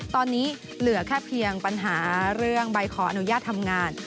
ตอนนี้เหลือแค่เพียงปัญหาเรื่องใบขออนุญาตทำงาน